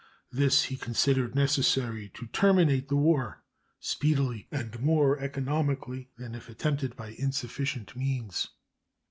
This he considered necessary to terminate the war "speedily and more economically than if attempted by insufficient means."